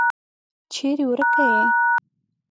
چیري ورکه یې ؟